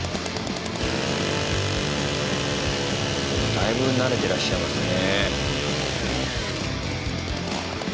だいぶ慣れてらっしゃいますね。